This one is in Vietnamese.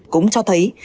cũng cho thấy